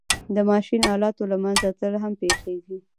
د ماشین آلاتو له منځه تلل هم پېښېږي